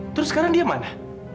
terus sekarang dia mana